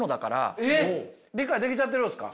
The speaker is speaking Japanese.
理解できちゃってるんですか。